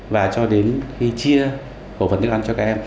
và cho đến khi chia cổ phần thức ăn cho các em